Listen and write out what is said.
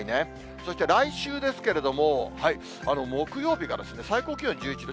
そして、来週ですけれども、木曜日が最高気温１１度。